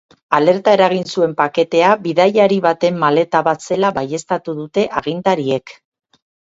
Alerta eragin zuen paketea bidaiari baten maleta bat zela baieztatu dute agintariek.